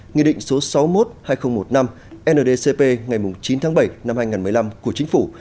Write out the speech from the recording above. nghị định số sáu mươi một hai nghìn một mươi năm ndcp ngày chín tháng bảy năm hai nghìn một mươi năm của chính phủ